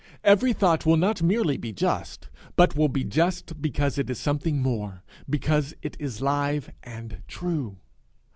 Every thought will not merely be just, but will be just because it is something more, because it is live and true.